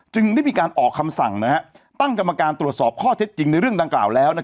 ได้มีการออกคำสั่งตั้งกรรมการตรวจสอบข้อเท็จจริงในเรื่องดังกล่าวแล้ว